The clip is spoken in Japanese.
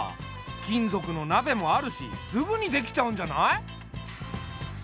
金属の鍋もあるしすぐに出来ちゃうんじゃない？